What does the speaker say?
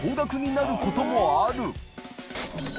なることもある磴